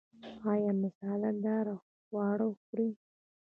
ایا مساله داره خواړه خورئ؟